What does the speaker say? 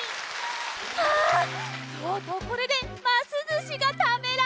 あとうとうこれでますずしがたべられるのね！